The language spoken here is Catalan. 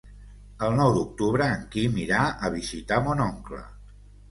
El nou d'octubre en Quim irà a visitar mon oncle.